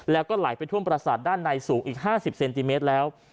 แล้วก็ไหลไปท่วมประสาทด้านในสูงอีก๕๐เซนติเมตรแล้ว